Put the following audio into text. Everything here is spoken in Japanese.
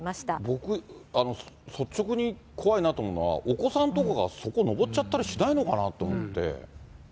僕、率直に怖いなと思うのは、お子さんとかがそこ上っちゃったりとかしないのかなと思って。